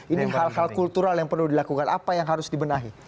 ini hal hal kultural yang perlu dilakukan apa yang harus dibenahi